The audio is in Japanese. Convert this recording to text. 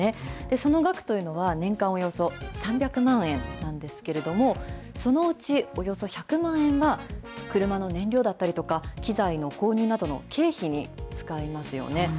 その額というのは、年間およそ３００万円なんですけれども、そのうちおよそ１００万円は、車の燃料だったりとか、機材の購入などの経費に使いますよね。